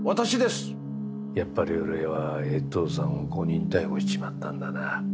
やっぱり俺は衛藤さんを誤認逮捕しちまったんだな。